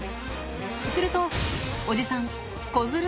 すると、おじさん、おっ。